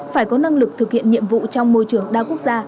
phải có năng lực thực hiện nhiệm vụ trong môi trường đa quốc gia